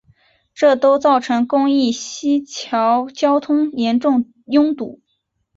这都造成公益西桥交通严重拥堵。